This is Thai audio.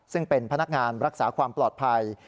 ซึ่งเป็นพนักงานรักษาความปลอดภัย